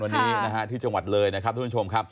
วันนี้ที่จังหวัดเลยนะครับทุกท่านชมครับ